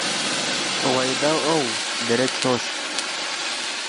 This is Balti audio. ”اون٘ا یدانگ اونگ” زیرے کھیونگس